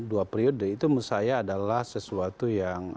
dua periode itu menurut saya adalah sesuatu yang